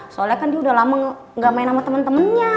soalnya kan dia udah lama gak main sama temen temennya